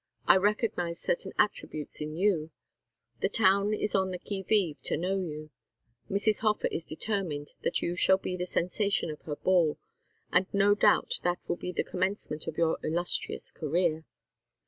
I recognize certain attributes in you. The town is on the qui vive to know you. Mrs. Hofer is determined that you shall be the sensation of her ball, and no doubt that will be the commencement of your illustrious career.